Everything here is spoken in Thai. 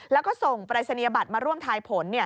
แล้วก็ส่งปรายศนียบัตรมาร่วมทายผล